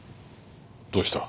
どうした？